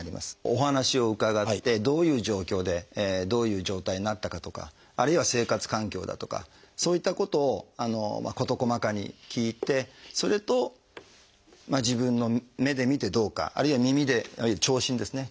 お話を伺ってどういう状況でどういう状態になったかとかあるいは生活環境だとかそういったことを事細かに聞いてそれと自分の目で診てどうかあるいは耳で聴診ですね